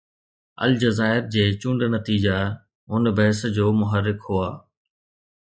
الجزائر جي چونڊ نتيجا هن بحث جو محرڪ هئا.